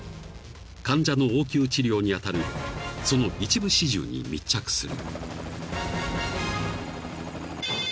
［患者の応急治療に当たるその一部始終に密着する］